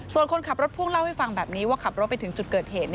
ส่วนคนขับรถพ่วงเล่าให้ฟังแบบนี้ว่าขับรถไปถึงจุดเกิดเหตุ